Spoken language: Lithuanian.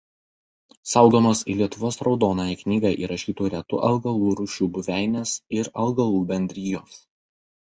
Saugomos į Lietuvos raudonąją knygą įrašytų retų augalų rūšių buveinės ir augalų bendrijos.